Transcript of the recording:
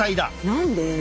何で？